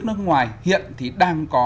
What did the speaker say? nước ngoài hiện thì đang có